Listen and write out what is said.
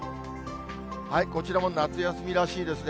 こちらも夏休みらしいですね。